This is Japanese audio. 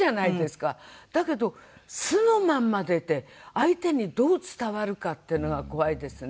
だけど素のまんま出て相手にどう伝わるかっていうのが怖いですよね。